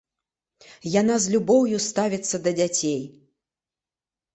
Яна з любоўю ставіцца да дзяцей.